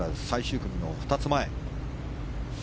最終組の２つ前。